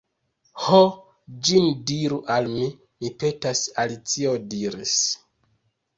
"Ho, ĝin diru al mi, mi petas," Alicio diris.